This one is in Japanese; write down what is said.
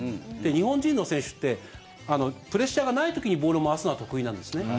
日本人の選手ってプレッシャーがない時にボールを回すのは得意なんですね。